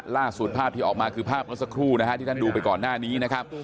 ล่าสุดภาพที่ออกมาคือภาพเมื่อสักครู่นะฮะที่ท่านดูไปก่อนหน้านี้นะครับ